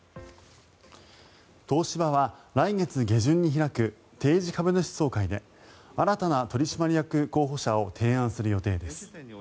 東芝は来月下旬に開く定時株主総会で新たな取締役候補者を提案する予定です。